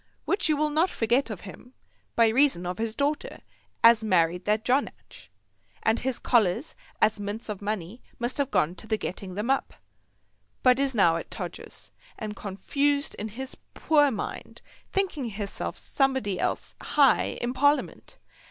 Which you will not forget of him, by reason of his daughter as married that Jonadge, and his collars as mints of money must have gone to the getting them up; but is now at Todgers's, and confused in his poor mind, thinking hisself Somebody else high in Parliament.